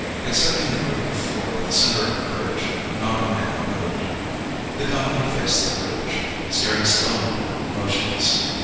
Excepting the group of four at the center of the bridge, not a man moved. The company faced the bridge, staring stonily, motionless.